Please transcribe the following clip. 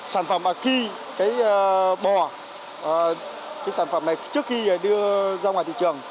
sản phẩm khi bò sản phẩm này trước khi đưa ra ngoài thị trường